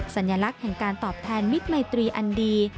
สัญลักษณ์แห่งการตอบแทนมิตรมัยตรีอันดี